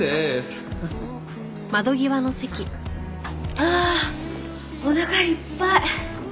はあおなかいっぱい！